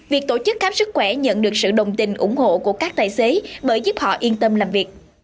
việc tổ chức khám sức khỏe nhận được sự đồng tình ủng hộ của các tài xế bởi giúp họ yên tâm làm việc